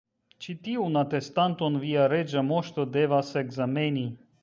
Ĉi tiun atestanton via Reĝa Moŝto devas ekzameni.